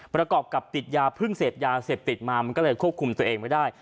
ประกอบกับติดยาเพิ่งเสพยาเสพติดมามันก็เลยควบคุมตัวเองไม่ได้